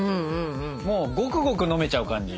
もうごくごく飲めちゃう感じ。